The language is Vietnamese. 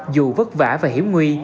dù vất vả và hiểm nguy